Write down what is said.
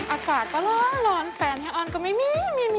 อากาศก็ร้อนร้อนแฟนให้อ้อนก็ไม่มี